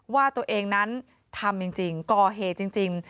ว่าตัวเองนั้นทำจริงก่อเหตุจริง